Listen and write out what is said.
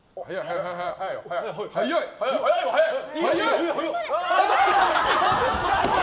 早い、早い。